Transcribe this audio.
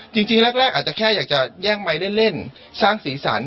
จริงแรกอาจจะแค่อยากจะแย่งไมค์เล่นสร้างสีสัน